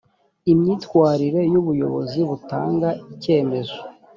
imyitwarire y ubuyobozi butanga icyemezo